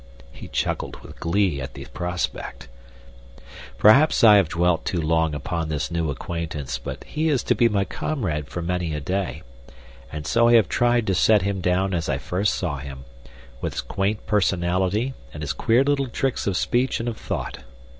He chuckled with glee at the prospect. Perhaps I have dwelt too long upon this new acquaintance, but he is to be my comrade for many a day, and so I have tried to set him down as I first saw him, with his quaint personality and his queer little tricks of speech and of thought.